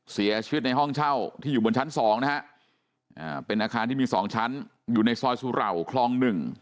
เสียชีวิตในห้องเช่าที่อยู่บนชั้น๒นะฮะเป็นอาคารที่มี๒ชั้นอยู่ในซอยสุเหล่าคลอง๑